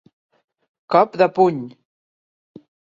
Cop de puny.